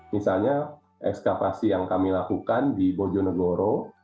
misalnya ekskavasi yang kami lakukan di bojonegoro